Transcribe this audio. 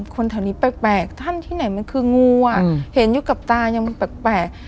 คนแถวนี้แปลกท่านที่ไหนมันคืองูอ่ะเห็นอยู่กับตายังมันแปลก